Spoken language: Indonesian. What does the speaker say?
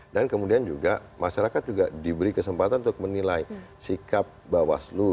dan kemudian juga masyarakat juga diberi kesempatan untuk menilai sikap bawaslu